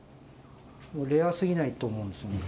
レアすぎないと思うんですよ